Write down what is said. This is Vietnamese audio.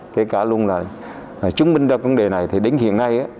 kể cả luôn là chứng minh ra vấn đề này thì đến hiện nay